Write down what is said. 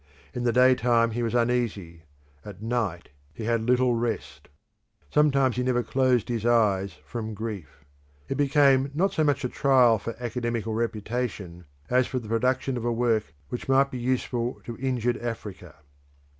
In the day time he was uneasy; at night he had little rest. Sometimes he never closed his eyes from grief. It became not so much a trial for academical reputation as for the production of a work which might be useful to injured Africa.